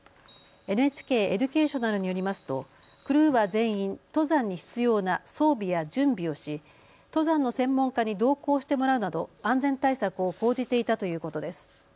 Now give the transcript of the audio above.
ＮＨＫエデュケーショナルによりますとクルーは全員登山に必要な装備や準備をし登山の専門家に同行してもらうなど安全対策を講じていたということです。